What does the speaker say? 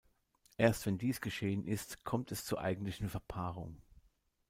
Erst wenn dies geschehen ist, kommt es zur eigentlichen Verpaarung.